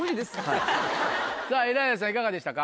さぁエライザさんいかがでしたか？